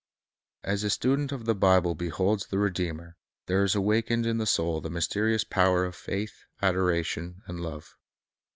"' As the student of the Bible beholds the Redeemer, there is awakened in the soul the mysterious power of faith, adoration, and love.